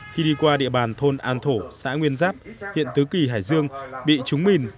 khi đi qua địa bàn thôn an thổ xã nguyên giáp hiện tứ kỳ hải dương bị trúng bình